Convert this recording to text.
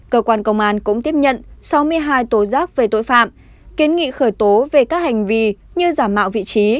cơ quan công an cũng tiếp nhận sáu mươi hai tố giác về tội phạm kiến nghị khởi tố về các hành vi như giả mạo vị trí